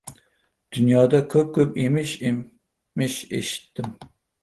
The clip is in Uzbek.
Dunyoda ko‘p-ko‘p emish-emish eshitdim.